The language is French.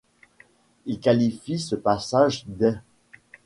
Il qualifie ce passage d'.